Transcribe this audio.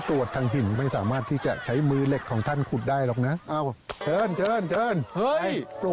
โอเคท่านเราพร้อมกันแล้ว